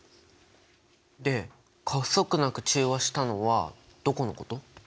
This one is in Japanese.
で過不足なく中和したのはどこのこと？